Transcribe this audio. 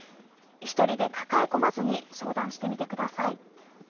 一人で抱え込まずに相談してみてください。